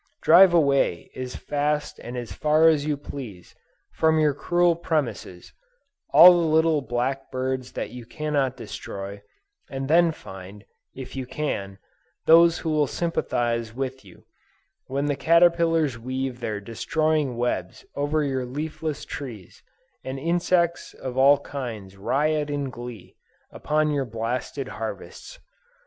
Drive away as fast and as far as you please, from your cruel premises, all the little birds that you cannot destroy, and then find, if you can, those who will sympathize with you, when the caterpillars weave their destroying webs over your leafless trees, and insects of all kinds riot in glee, upon your blasted harvests!